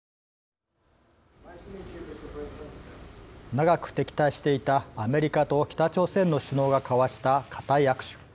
長く敵対していたアメリカと北朝鮮の首脳が交わした固い握手。